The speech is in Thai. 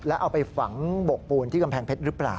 แล้วเอาไปฝังบกปูนที่กำแพงเพชรหรือเปล่า